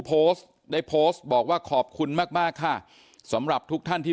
โพสต์ได้โพสต์บอกว่าขอบคุณมากมากค่ะสำหรับทุกท่านที่